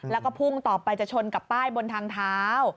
แล้วก็พุ่งต่อไปจะชนกับป้ายบนทางเท้า